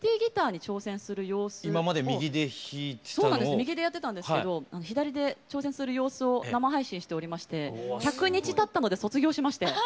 右でやってたんですけど左で挑戦する様子を生配信しておりまして１００日たったので卒業しまして。